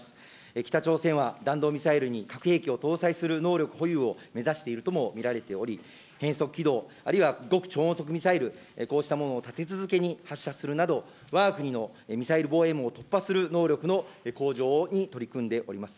北朝鮮は弾道ミサイルに核兵器を搭載する能力保有を目指しているとも見られており、変則軌道、あるいは極超音速ミサイル、こうしたものを立て続けに発射するなど、わが国のミサイル防衛網を突破する能力の向上に取り組んでおります。